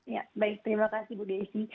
ya baik terima kasih bu desi